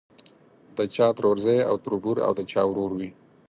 د چا ترورزی او تربور او د چا ورور وي.